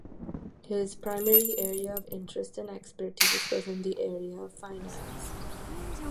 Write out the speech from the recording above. His primary area of interest and expertize was in the area of finance.